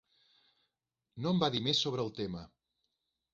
No em va dir més sobre el tema.